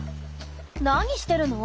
何してるの？